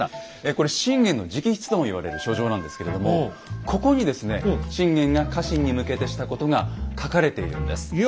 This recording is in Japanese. これ信玄の直筆とも言われる書状なんですけれどもここにですね信玄が家臣に向けてしたことが書かれているんです。